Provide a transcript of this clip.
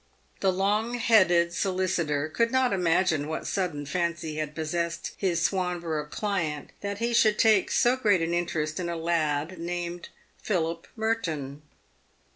The long headed solicitor could not imagine what sudden fancy had possessed his Swanborough client that he should take so great an interest in a lad named Philip Merton.